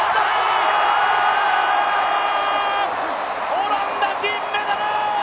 オランダ、金メダル！